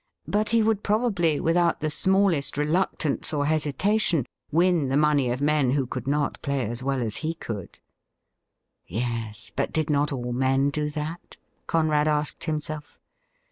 But he would probably without the smallest SIR FRANCIS ROSE 143 reluctance or hesitation win the money of men who could not play as well as he could. Yes, but did not all men do that? Conrad asked himself.